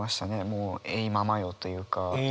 もう「えいままよ」というか。